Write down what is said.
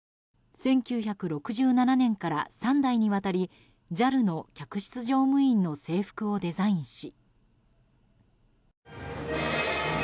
１９６７年から３代にわたりＪＡＬの客室乗務員の制服をデザインし。